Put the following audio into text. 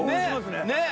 ねえ！